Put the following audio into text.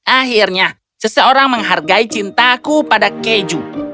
akhirnya seseorang menghargai cintaku pada keju